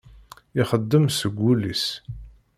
Ixeddem seg wul-is.